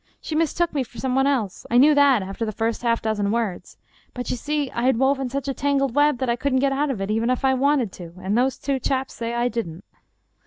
She mistook me for some one else ; I knew that after the first half dozen words; but you see I had woven such a taujgled web that I couldn't get out of it, even if I had wanted to, and those two chaps say I didn't."